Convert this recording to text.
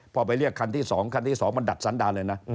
พอไปเรียกคันที่๒คันที่๒มันดัดสันดาเลยนะ